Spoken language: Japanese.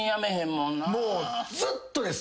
もうずっとです。